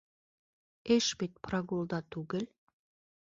Эш бит прогулда түгел!